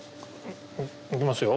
いきますよ。